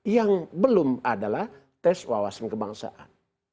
yang belum adalah tes wawasan kebangsaan